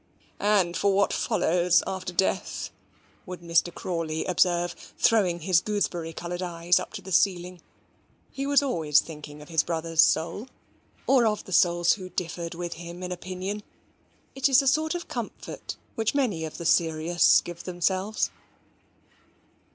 "And for what follows after death," would Mr. Crawley observe, throwing his gooseberry coloured eyes up to the ceiling. He was always thinking of his brother's soul, or of the souls of those who differed with him in opinion: it is a sort of comfort which many of the serious give themselves.